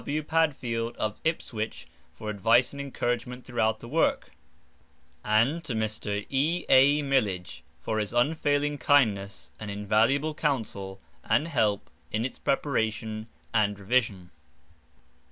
W. Padfield, of Ipswich, for advice and encouragement throughout the work, and to Mr. E. A. Millidge, for his unfailing kindness and invaluable counsel and help in its preparation and revision.